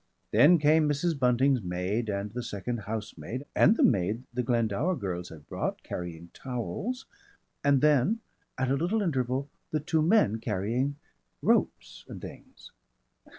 Then came Mrs. Bunting's maid and the second housemaid and the maid the Glendower girls had brought, carrying towels, and then at a little interval the two men carrying ropes and things.